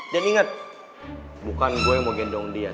dan inget bukan gue yang mau gendong dia